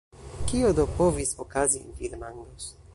Kio do povis okazi, vi demandos.